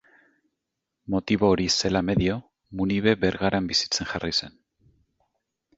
Motibo hori zela medio, Munibe Bergaran bizitzen jarri zen.